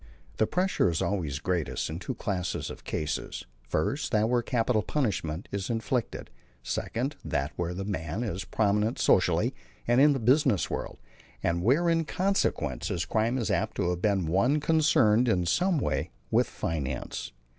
The pressure is always greatest in two classes of cases: first, that where capital punishment is inflicted; second, that where the man is prominent socially and in the business world, and where in consequence his crime is apt to have been one concerned in some way with finance.